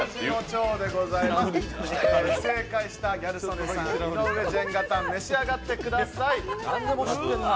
正解したギャル曽根さん、いのうえジェンガタン召し上がってください。